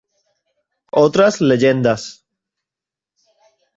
Otras leyendas